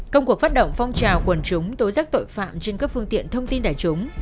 công cuộc phát động phong trào quần chúng tố giác tội phạm trên các phương tiện thông tin đại chúng